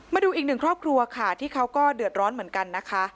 มาดูอีกหนึ่งครอบครัวค่ะที่เขาก็เดือดร้อนเหมือนกันนะคะ